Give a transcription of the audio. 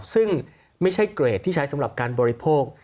ซึ่งไม่ใช่เกรดที่ใช้สำหรับการบริโภค